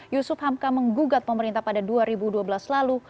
yusuf hamka menggugat pemerintah pada dua ribu dua belas lalu